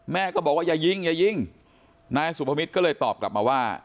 แม่ก็บอกว่าอย่ายิงอย่ายิงนายสุภมิตรก็เลยตอบกลับมาว่า